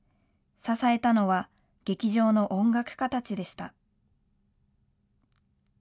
支えたのは、劇場の音楽家たちでした。